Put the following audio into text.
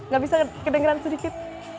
gak bisa kedengeran sedikit